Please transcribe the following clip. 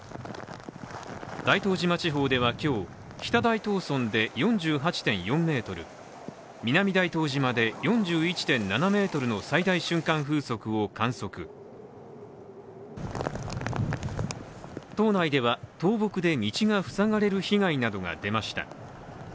大東島地方では今日、北大東村で４８．４メートル南大東島で４１．７メートルの最大瞬間風速を観測島内では倒木で道が塞がれる被害などが出ました。